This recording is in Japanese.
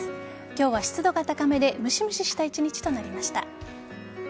今日は湿度が高めでむしむしした一日となりました。